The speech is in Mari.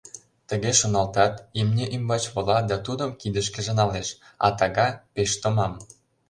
Тыге шоналтат, имне ӱмбач вола да тудым кидышкыже налеш... А тага — пеш томам.